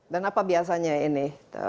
dan apa biasanya ini